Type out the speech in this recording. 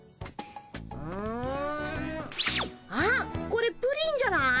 あっこれプリンじゃない？